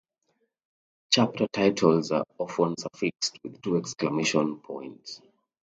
Chapter titles are often suffixed with two exclamation points.